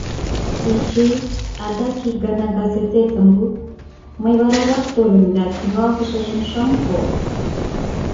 Эчей, адак ик гана газететым луд, мый варарак тольым да тӱҥалтышыжым шым кол.